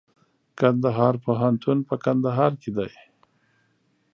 کندهار پوهنتون په کندهار کي دئ.